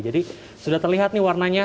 jadi sudah terlihat nih warnanya